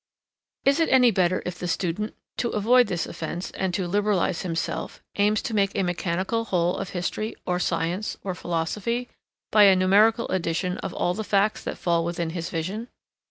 Is it any better if the student, to avoid this offence, and to liberalize himself, aims to make a mechanical whole of history, or science, or philosophy, by a numerical addition of all the facts that fall within his vision?